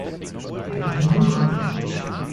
Steht mir die Bluse?